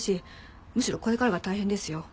むしろこれからが大変ですよ。